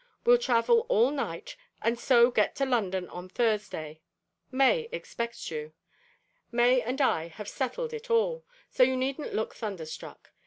We'll travel all night, and so get to London on Thursday. May expects you. May and I have settled it all, so you needn't look thunderstruck.